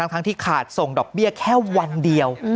ทั้งที่ขาดส่งดอกเบี้ยแค่วันเดียว